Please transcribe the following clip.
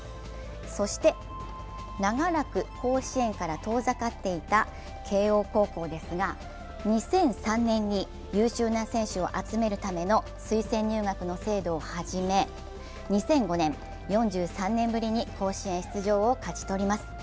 そして、長らく甲子園から遠ざかっていた慶応高校ですが２００３年に、優秀な選手を集めるための推薦入学の制度を始め、２００５年、４３年ぶりに甲子園出場を勝ち取ります。